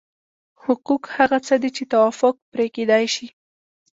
حقوق هغه څه دي چې توافق پرې کېدای شي.